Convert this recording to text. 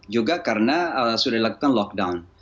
juga karena sudah dilakukan lockdown